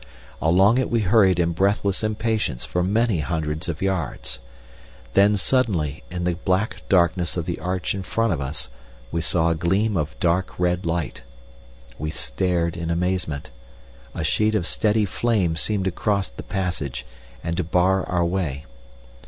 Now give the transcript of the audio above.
Along it we hurried in breathless impatience for many hundreds of yards. Then, suddenly, in the black darkness of the arch in front of us we saw a gleam of dark red light. We stared in amazement. A sheet of steady flame seemed to cross the passage and to bar our way.